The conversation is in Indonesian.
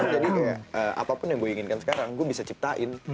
jadi kayak apapun yang gue inginkan sekarang gue bisa ciptain